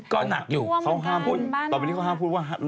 ก็หนักอยู่เขาห้ามพูดต่อไปนี้เขาห้ามพูดว่า